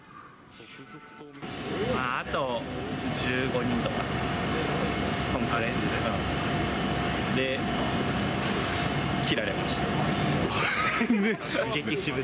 まあ、あと１５人とか、そのくらいで切られました。